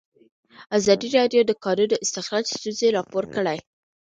ازادي راډیو د د کانونو استخراج ستونزې راپور کړي.